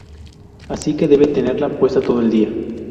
Así que debe tenerla puesta todo el día.